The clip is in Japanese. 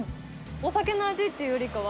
お酒の味っていうよりかは。